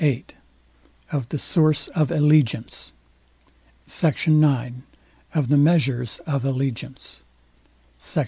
VIII OF THE SOURCE OF ALLEGIANCE SECT. IX OF THE MEASURES OF ALLEGIANCE SECT.